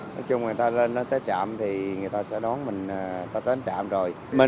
nói chung người ta lên tới trạm thì người ta sẽ đón mình tới trạm rồi